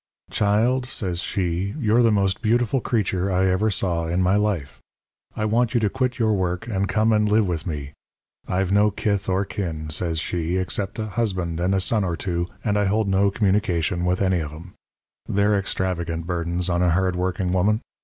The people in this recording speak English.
"'Child,' says she, 'you're the most beautiful creature I ever saw in my life. I want you to quit your work and come and live with me. I've no kith or kin,' says she, 'except a husband and a son or two, and I hold no communication with any of 'em. They're extravagant burdens on a hard working woman.